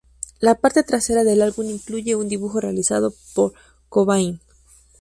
La parte trasera del álbum incluye un dibujo realizado por Cobain.